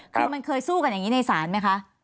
คือมันเคยสู้กันอย่างนี้ในศาลไหมคะ